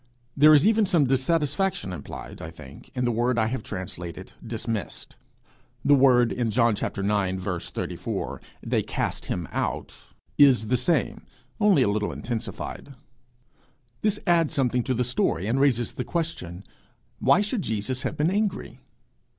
There is even some dissatisfaction implied, I think, in the word I have translated 'dismissed.' The word in John ix. 34, 'they cast him out,' is the same, only a little intensified. This adds something to the story, and raises the question, Why should Jesus have been angry?